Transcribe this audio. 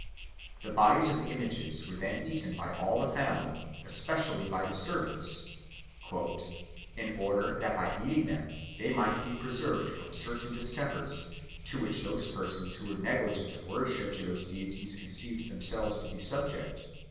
The bodies of the images were then eaten by all the family, especially by the servants, "in order that by eating them they might be preserved from certain distempers, to which those persons who were negligent of worship to those deities conceived themselves to be subject."